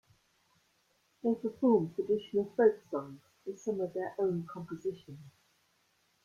They performed traditional folk songs and some of their own compositions.